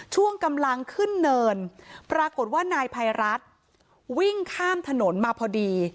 ช่วงกำลังขึ้นเนินปรากฏว่านายภัยรัฐวิ่งข้ามถนนมาพอดี